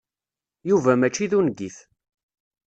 Yuba mačči d ungif.